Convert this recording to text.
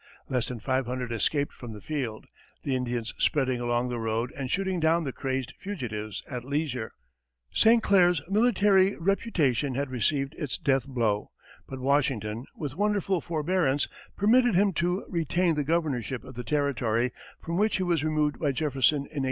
Less than five hundred escaped from the field, the Indians spreading along the road and shooting down the crazed fugitives at leisure. St. Clair's military reputation had received its death blow, but Washington, with wonderful forbearance, permitted him to retain the governorship of the Territory, from which he was removed by Jefferson in 1802.